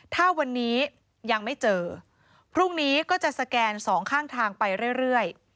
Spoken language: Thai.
ถ้าวันนี้ยังไม่เจอพรุ่งนี้ก็จะสแกนสองข้างทางไปเรื่อย